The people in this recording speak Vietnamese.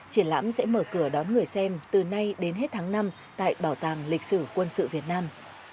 triển lãm sẽ mở cửa đón người xem từ nay đến hết tháng năm tại bảo tàng lịch sử quân sự việt nam